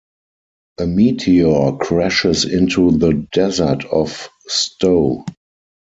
A meteor crashes into the desert of Sto.